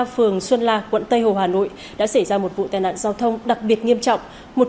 phường xuân la quận tây hồ hà nội đã xảy ra một vụ tai nạn giao thông đặc biệt nghiêm trọng